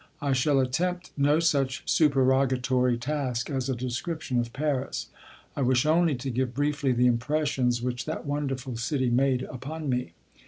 I shall attempt no such supererogatory task as a description of Paris. I wish only to give briefly the impressions which that wonderful city made upon me.